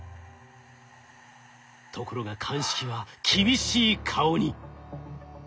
ところが鑑識は厳しい顔に。